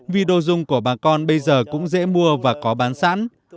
vì đồ dùng của bà con bây giờ cũng dễ mua và có bán sẵn